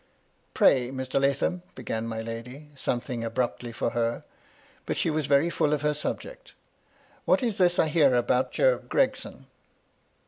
56 MY LADY LUDLOW. "Pray, Mr. Lathom," began my lady, something abruptly for her, — but she was very fiiU of her subject, —" what is this I hear about Job Gregson